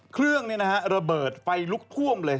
เครื่องระเบิดไฟลุกท่วมเลย